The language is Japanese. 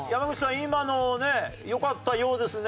今のねよかったようですね。